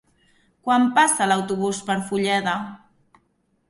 Quan passa l'autobús per Fulleda?